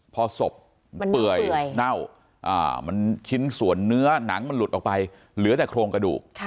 พอศพมันเปื่อยเน่ามันชิ้นส่วนเนื้อหนังมันหลุดออกไปเหลือแต่โครงกระดูก